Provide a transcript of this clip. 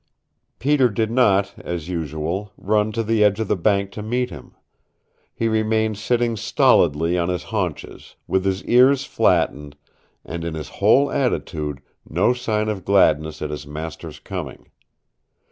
Peter did not, as usual, run to the edge of the bank to meet him. He remained sitting stolidly on his haunches, with his ears flattened, and in his whole attitude no sign of gladness at his master's coming.